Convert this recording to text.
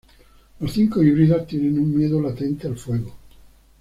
Los cinco híbridos tienen un miedo latente al fuego.